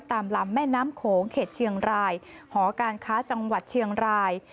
ตามลำแม่น้ำโขงเขตเชียงรายหอการค้าจังหวัดเชียงราย